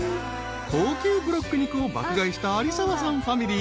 ［高級ブロック肉を爆買いした有澤さんファミリー］